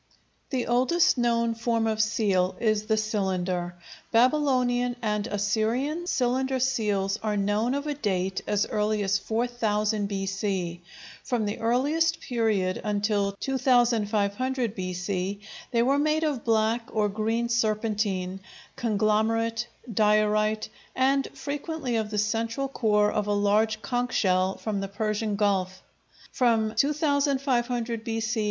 The oldest known form of seal is the cylinder. Babylonian and Assyrian cylinder seals are known of a date as early as 4000 B.C. From the earliest period until 2500 B.C. they were made of black or green serpentine, conglomerate, diorite, and frequently of the central core of a large conch shell from the Persian Gulf. From 2500 B.C.